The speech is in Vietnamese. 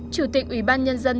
chủ tịch ủy ban nhân dân